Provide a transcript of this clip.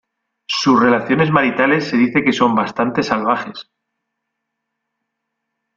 Sus relaciones maritales se dice que son bastante salvajes.